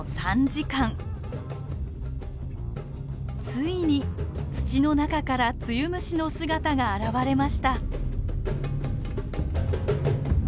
ついに土の中からツユムシの姿が現れました。